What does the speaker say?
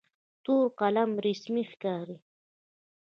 تور قلم رسمي ښکاري.